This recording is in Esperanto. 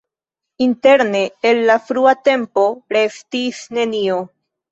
Interne el la frua tempo restis nenio.